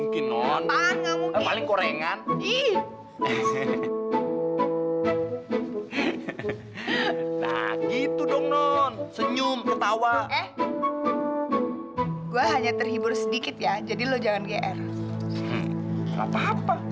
gimana mau dapat jodoh